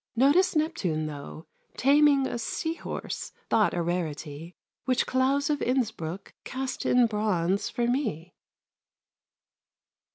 Notice Neptune, though, Taming a sea horse, thought a rarity, Which Claus of Innsbruck cast in bronze for me!